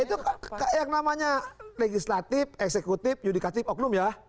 itu yang namanya legislatif eksekutif yudikatif oknum ya